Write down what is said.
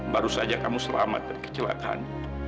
baru saja kamu selamat dari kecelakaan